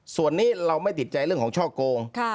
ส่วนนี้เราไม่ติดใจเรื่องของช่อโกง